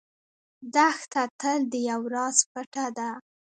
دښته تل د یو راز پټه ده.